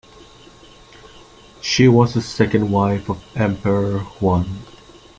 She was the second wife of Emperor Huan.